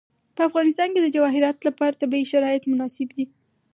په افغانستان کې د جواهرات لپاره طبیعي شرایط مناسب دي.